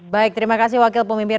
baik terima kasih wakil pemimpin